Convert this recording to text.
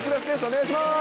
お願いします！